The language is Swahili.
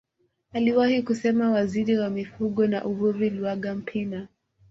Aliwahi kusema waziri wa mifugo na uvuvi Luaga Mpina